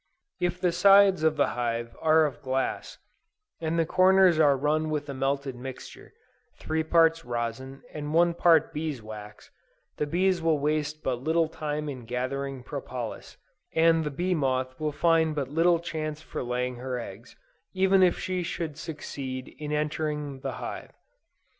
If the sides of the hive are of glass, and the corners are run with a melted mixture, three parts rosin, and one part bees wax, the bees will waste but little time in gathering propolis, and the bee moth will find but little chance for laying her eggs, even if she should succeed in entering the hive.